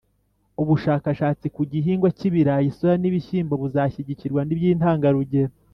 ubushakashatsi ku gihingwa cy’ibirayi, soya n'ibishyimbo buzashyigikirwa by'intangarugero.